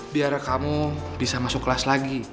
biar kamu bisa masuk kelas lagi